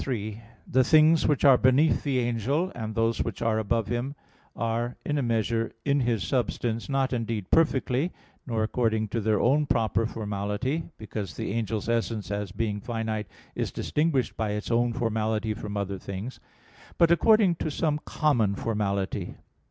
3: The things which are beneath the angel, and those which are above him, are in a measure in his substance, not indeed perfectly, nor according to their own proper formality because the angel's essence, as being finite, is distinguished by its own formality from other things but according to some common formality.